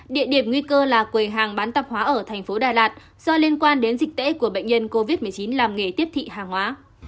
địa điểm nguy cơ là quầy hàng bán tạp hóa ở thành phố đà lạt do liên quan đến dịch tễ của bệnh nhân covid một mươi chín làm nghề tiếp thị hàng hóa